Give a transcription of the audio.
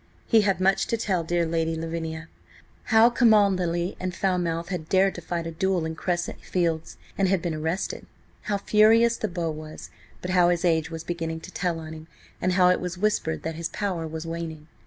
He had much to tell dear Lady Lavinia. How Cholmondely and Falmouth had dared to fight a duel in Crescent Fields, and had been arrested. How furious the Beau was, but how his age was beginning to tell on him, and how it was whispered that his power was waning.